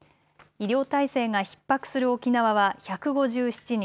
医療体制がひっ迫する沖縄は１５７人。